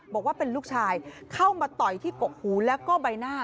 บอกว่าเป็นลูกชายเข้ามาต่อยที่กกหูแล้วก็ใบหน้า